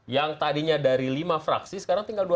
yang tadinya dari lima fraksi sekarang tinggal dua